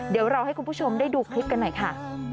เดี๋ยวเราให้คุณผู้ชมได้ดูคลิปกันหน่อยค่ะ